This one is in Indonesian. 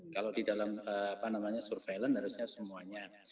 kalau di dalam surveillance harusnya semuanya